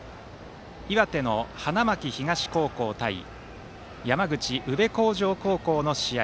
岩手の花巻東高校対山口・宇部鴻城高校の試合。